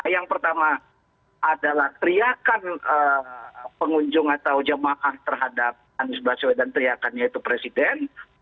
yang pertama adalah teriakan pengunjung atau jemaah terhadap anies baswedan teriakannya itu presiden